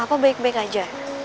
apa baik baik aja